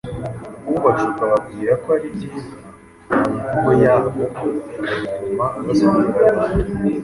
Ubashuka ababwira ko ari byiza, mu mvugo yabo ngo bituma baswingarara,